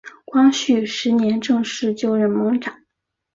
光绪十年正式就任盟长。